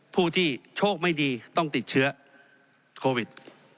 ผู้ที่โชคไม่ดีต้องติดเชื้อโควิด